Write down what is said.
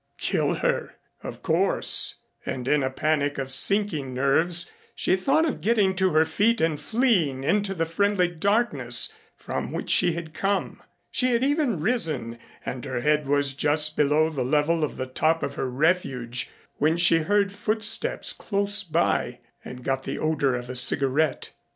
Kill her, of course. And in a panic of sinking nerves she thought of getting to her feet and fleeing into the friendly darkness from which she had come. She had even risen and her head was just below the level of the top of her refuge when she heard footsteps close by and got the odor of a cigarette.